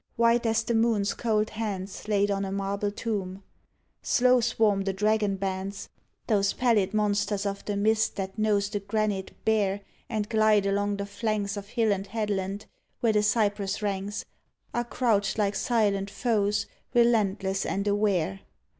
White as the moon's cold hands Laid on a marble tomb. Slow swarm the dragon bands — Those pallid monsters of the mist that nose The granite bare And glide along the flanks Of hill and headland where the cypress ranks Are crouched like silent foes. 73 AN AL'TJR OF THE WESt Relentless and aware.